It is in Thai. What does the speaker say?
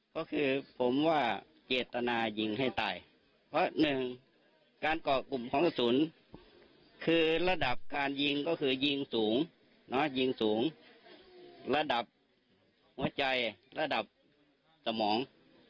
ก็คือผมว่าเจตนายิงให้ตายเพราะหนึ่งการเกาะกลุ่มของกระสุนคือระดับการยิงก็คือยิงสูงยิงสูงระดับหัวใจระดับสมอง